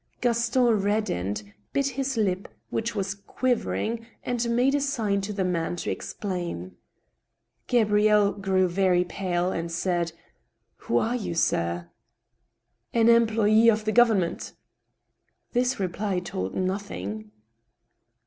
Gaston reddened, bit his lip, which was quivering, and made a sign to the man to explain. Gabrielle gjrew very pale, and said :•* Who are you, sir ?"" An employ^ of the government" This reply told nothing.